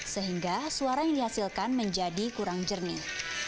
sehingga suara yang dihasilkan menjadi kurang jernih